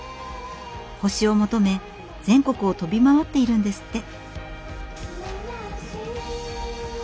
星を求め全国を飛び回っているんですって。